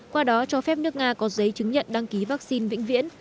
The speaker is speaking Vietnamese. qua đó cho phép nước nga có giấy chứng nhận đăng ký vaccine vĩnh viễn